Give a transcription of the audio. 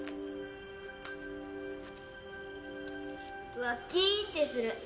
うわっキーンってする。